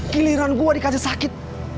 giliran gua dikacau sakit